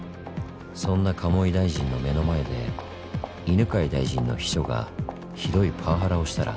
そんな鴨井大臣の目の前で犬飼大臣の秘書がひどいパワハラをしたら？